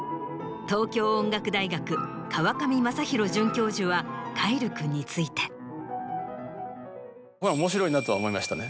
東京音楽大学川上昌裕准教授は凱成君について。面白いなと思いましたね